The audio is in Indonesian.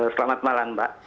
selamat malam mbak